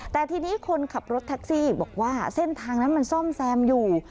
แต่ทีนี้คนขับรถแท็กซี่บอกว่าเส้นทางนั้นมันซ่อมแซมอยู่